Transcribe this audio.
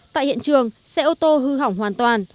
tại hiện trường xe ô tô hư hỏng hoàn toàn